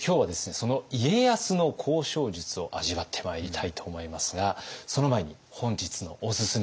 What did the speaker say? その家康の交渉術を味わってまいりたいと思いますがその前に本日のおすすめ